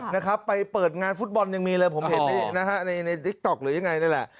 นะครับไปเปิดงานฟุตบอลยังมีเลยผมเห็นนี่นะฮะในในติ๊กต๊อกหรือยังไงนี่แหละ